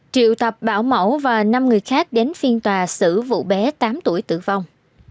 triệu tập bảo mẫu và năm người khác đến phiên tòa xử vụ bé tám tuổi tử vong